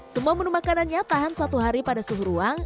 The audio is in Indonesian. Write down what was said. semua menu makanannya tahan satu hari pada suhu ruang